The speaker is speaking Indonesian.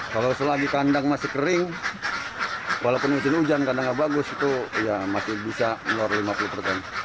kalau selagi kandang masih kering walaupun musim hujan kandangnya bagus itu ya masih bisa keluar lima puluh